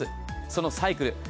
そのサイクル